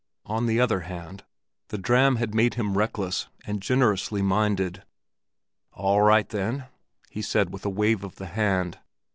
On the other hand, the dram had made him reckless and generously minded. "All right then," he said with a wave of the hand.